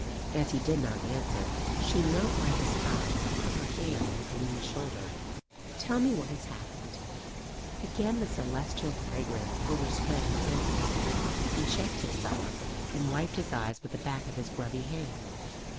As he did not answer, she knelt by his side and put her hand on his lean shoulder. "Tell me what has happened." Again the celestial fragrance overspread his senses. He checked his sobs and wiped his eyes with the back of his grubby hand.